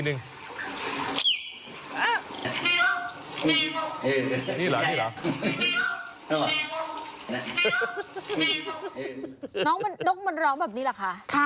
นกมันร้องแบบนี้เหรอคะ